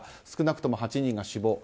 少なくとも８人が死亡。